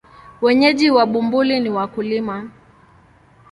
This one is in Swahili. Wenyeji wa Bumbuli ni wakulima.